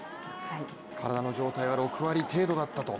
体の状態は６割程度だったと。